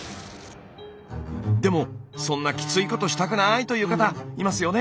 でもそんなきついことしたくないという方いますよね？